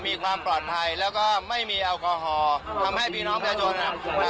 มีความปลอดภัยแล้วก็ไม่มีแอลกอฮอล์ทำให้พี่น้องประชาชนอ่า